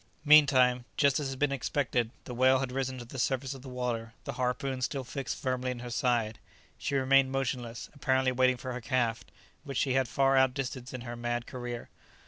Meantime, just as had been expected, the whale had risen to the surface of the water, the harpoon still fixed firmly in her side. She remained motionless, apparently waiting for her calf, which she had far out distanced in her mad career.